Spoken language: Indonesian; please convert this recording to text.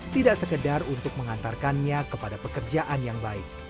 tidak sekedar untuk mengantarkannya kepada pekerjaan yang baik